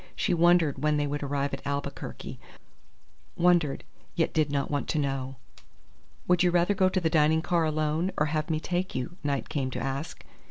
She wondered when they would arrive at Albuquerque, wondered, yet did not want to know. "Would you rather go to the dining car alone, or have me take you?" Knight came to ask.